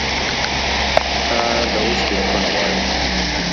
کار د اوسپني کونه غواړي.